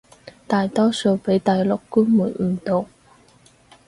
大多數畀大陸官媒誤導